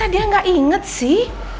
dia nggak inget sih